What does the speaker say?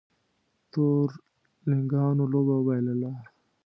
تورلېنګانو لوبه وبایلله